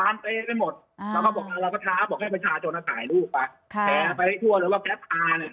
เราก็ท้าทายโทนท้ายลูกแสดงไปทั่วเลยว่าแกร๊บคา